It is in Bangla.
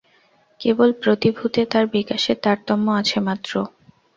কেবল প্রতি ভূতে তাঁর বিকাশের তারতম্য আছে মাত্র।